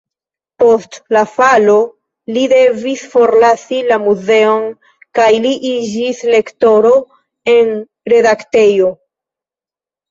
Post la falo li devis forlasi la muzeon kaj li iĝis lektoro en redaktejo.